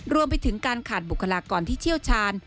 รวมไปถึงการขาดบุคลากรที่เชี่ยวชาญ